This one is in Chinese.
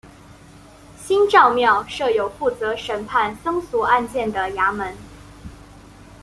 新召庙设有负责审判僧俗案件的衙门。